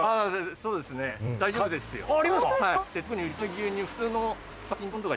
そうですね大丈夫ですよ。ありますか？